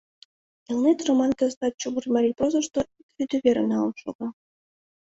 «Элнет» роман кызытат чумыр марий прозышто ик рӱдӧ верым налын шога.